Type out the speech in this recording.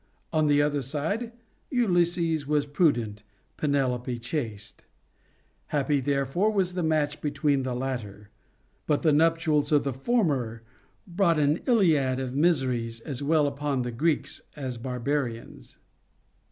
On the other side, Ulysses was prudent, Penelope chaste. Happy there fore was the match between the latter ; but the nuptials of the former brought an Iliad of miseries as well upon the Greeks as barbarians.